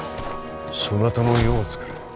そなたの世をつくれ。